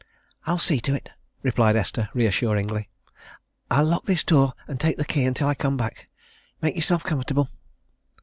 "I'll see to it," replied Esther reassuringly. "I'll lock this door and take the key until I come back make yourself comfortable."